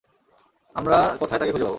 আমরা কোথায় তাকে খুঁজে পাব?